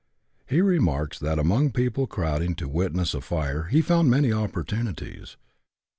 He remarks that among people crowding to witness a fire he found many opportunities.